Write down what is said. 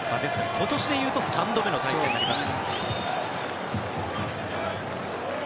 今年でいうと３度目の対戦になります。